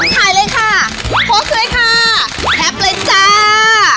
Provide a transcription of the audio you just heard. ถ่ายเลยค่ะโพสต์เลยค่ะแฮปเลยจ้า